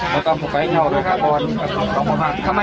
ไปหาที่นั่งดีกว่าครับผมมาทำน่าที่สื่อครับ